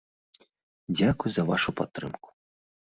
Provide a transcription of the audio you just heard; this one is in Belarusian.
Дзякуй за вашу падтрымку!